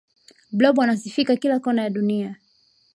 blob anasifika kila kona ya dunia